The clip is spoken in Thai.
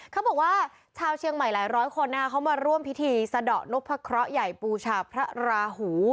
เขาบอกว่าชาวเชียงใหม่หลายร้อยคนเขามาร่วมพิธีสะดอกนกพระเคราะห์ใหญ่ปูชาพระราหู